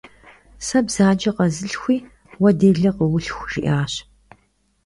«Сэ бзаджэ къэзылъхуи, уэ делэ къыулъху», - жиӀащ.